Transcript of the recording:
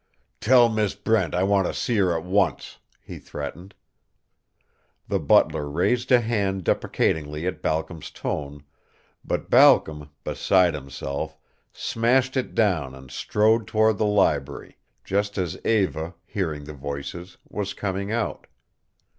"Tell Miss Brent I want to see her at once," he threatened. The butler raised a hand deprecatingly at Balcom's tone, but Balcom, beside himself, smashed it down and strode toward the library just as Eva, hearing the voices, was coming out.